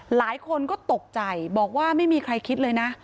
หลายคนก็ตกใจบอกว่าไม่มีใครคิดเลยนะ